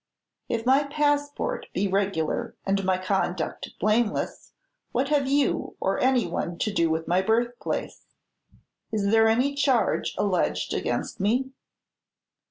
"If my passport be regular and my conduct blameless, what have you or any one to do with my birthplace? Is there any charge alleged against me?"